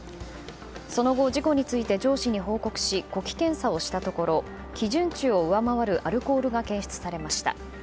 その後、事故について上司に報告し呼気検査をしたところ基準値を上回るアルコールが検出されました。